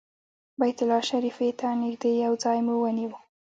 بیت الله شریفې ته نږدې یو ځای مو ونیو.